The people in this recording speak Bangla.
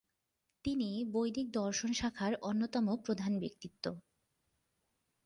তিনি বৈদিক দর্শন শাখার অন্যতম প্রধান ব্যক্তিত্ব।